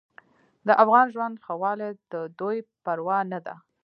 د افغان ژوند ښهوالی د دوی پروا نه ده.